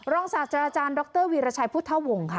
ศาสตราจารย์ดรวีรชัยพุทธวงศ์ค่ะ